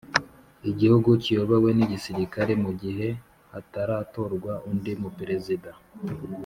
igihugu kiyobowe n’igisirikare mu gihe hataratorwa undi mu perezida